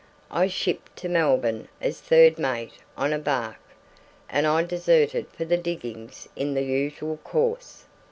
I shipped to Melbourne as third mate on a barque, and I deserted for the diggings in the usual course.